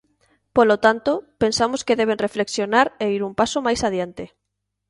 Polo tanto, pensamos que deben reflexionar e ir un paso máis adiante.